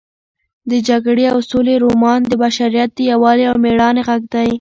د جګړې او سولې رومان د بشریت د یووالي او مېړانې غږ دی.